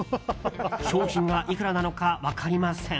商品がいくらなのか分かりません。